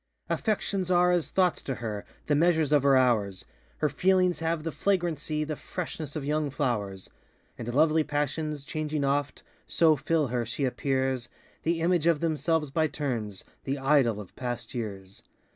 Affections are as thoughts to her, The measures of her hours; Her feelings have the flagrancy, The freshness of young flowers; And lovely passions, changing oft, So fill her, she appears The image of themselves by turns, ŌĆö The idol of past years!